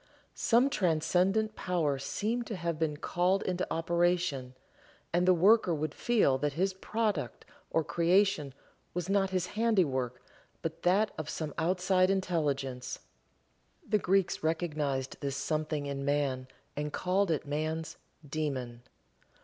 Some transcendent power seemed to have been called into operation, and the worker would feel that his product or creation was not his handiwork, but that of some outside intelligence. The Greeks recognized this something in man, and called it man's "Daemon."